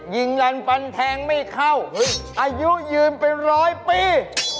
ยิงรานปันแทงไม่เข้าอายุยืนเป็น๑๐๐ปี